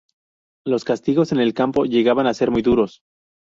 Los castigos en el campo llegaban a ser muy duros.